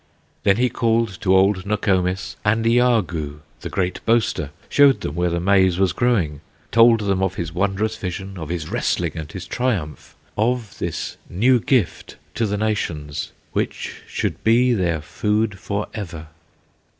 Then he called to old Nokomis And Iagoo, the great boaster, Showed them where the maize was growing, Told them of his wondrous vision, Of his wrestling and his triumph, Of this new gift to the nations, Which should be their food forever.